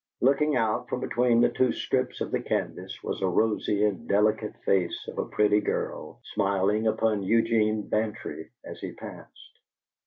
Looking out from between two strips of the canvas was the rosy and delicate face of a pretty girl, smiling upon Eugene Bantry as he passed.